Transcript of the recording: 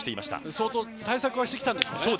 相当、対策はしてきたんでしょうね。